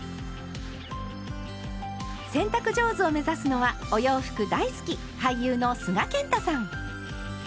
洗濯上手を目指すのはお洋服大好き俳優の須賀健太さん。